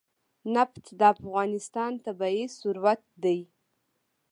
نفت د افغانستان طبعي ثروت دی.